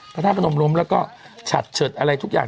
พระธาตุพนมล้มแล้วก็ฉัดเฉิดอะไรทุกอย่าง